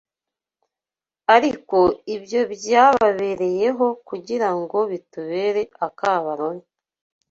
Ariko ibyo byababereyeho kugira ngo bitubere akabarore